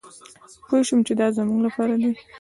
پوه شوم چې دا زمونږ لپاره دي.